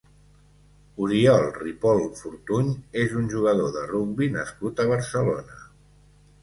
Oriol Ripol Fortuny és un jugador de rugbi nascut a Barcelona.